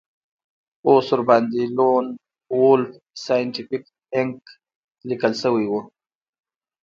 اوس ورباندې لون وولف سایینټیفیک انک لیکل شوي وو